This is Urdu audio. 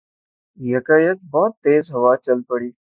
یکایک بہت تیز ہوا چل پڑی